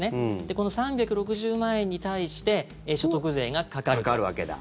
この３６０万円に対して所得税がかかるわけです。